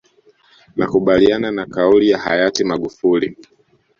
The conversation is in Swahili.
Nakubaliana na kauli ya hayati Magufuli